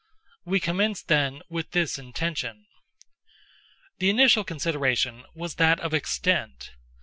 We commence, then, with this intention. The initial consideration was that of extent.